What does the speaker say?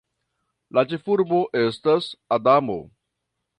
La ĉefurbo estas Adamo.